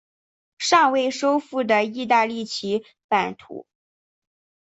尚未收复的意大利其版图。